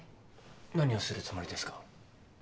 何をするつもりですか？